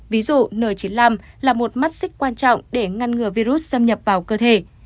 ví dụ n chín mươi năm là một mắt xích quan trọng để ngăn ngừa virus xâm nhập vào cơ thể